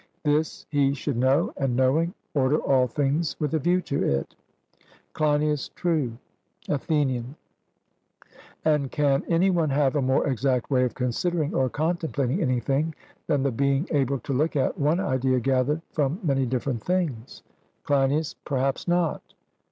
This he should know, and knowing, order all things with a view to it. CLEINIAS: True. ATHENIAN: And can any one have a more exact way of considering or contemplating anything, than the being able to look at one idea gathered from many different things? CLEINIAS: Perhaps not.